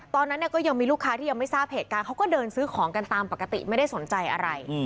ตอนนั้นเนี่ยก็ยังมีลูกค้าที่ยังไม่ทราบเหตุการณ์เขาก็เดินซื้อของกันตามปกติไม่ได้สนใจอะไร